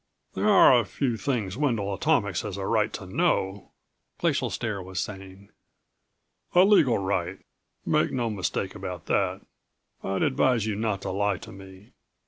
"There are a few things Wendel Atomics has a right to know," Glacial Stare was saying. "A legal right make no mistake about that. I'd advise you not to lie to me.